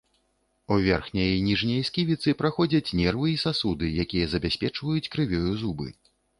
У верхняй і ніжняй сківіцы праходзяць нервы і сасуды, якія забяспечваюць крывёю зубы.